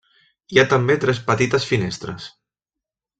Hi ha també tres petites finestres.